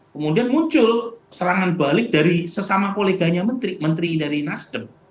kemudian muncul serangan balik dari sesama koleganya menteri menteri dari nasdem